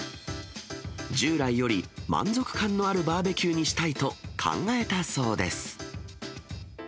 従来より満足感のあるバーベキューにしたいと考えたそうです。